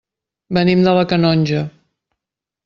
Venim de la Canonja.